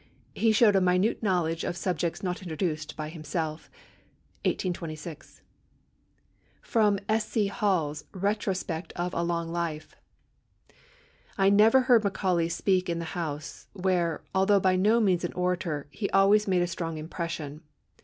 He showed a minute knowledge of subjects not introduced by himself." 1826. [Sidenote: S. C. Hall's Retrospect of a long Life.] "I never heard Macaulay speak in the House, where, although by no means an orator, he always made a strong impression.